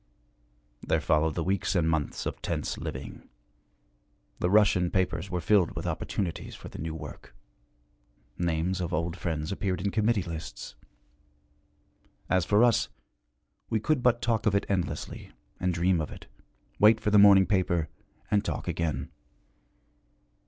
There followed the weeks and months of tense living. The Russian papers were filled with opportunities for the new work; names of old friends appeared in committee lists. As for us, we could but talk of it endlessly, and dream of it, wait for the morning paper, and talk again.